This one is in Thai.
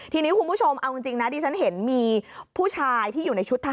ทีนี้คุณผู้ชมเอาจริงนะที่ฉันเห็นมีผู้ชายที่อยู่ในช่วงนี้นะครับ